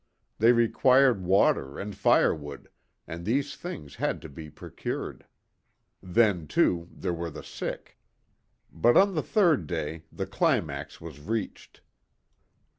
They required water and fire wood, and these things had to be procured. Then, too, there were the sick. But on the third day the climax was reached.